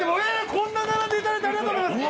こんな並んで頂いてありがとうございます！